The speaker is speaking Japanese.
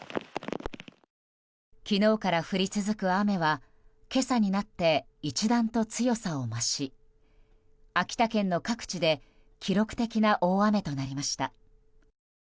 昨日から降り続く雨は今朝になって、一段と強さを増し秋田県の各地で記録的な大雨となりました。